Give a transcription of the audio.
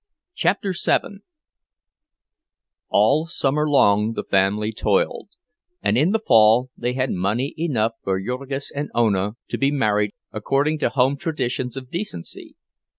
CHAPTER VII All summer long the family toiled, and in the fall they had money enough for Jurgis and Ona to be married according to home traditions of decency.